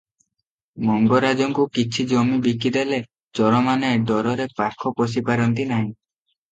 ମଙ୍ଗରାଜଙ୍କୁ କିଛି ଜମି ବିକିଦେଲେ ଚୋରମାନେ ଡରରେ ପାଖ ପଶିପାରନ୍ତି ନାହିଁ ।